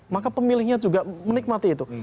maka pemilihnya juga menikmati itu